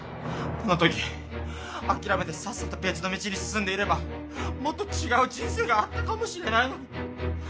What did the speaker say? あの時諦めてさっさと別の道に進んでいればもっと違う人生があったかもしれないのに。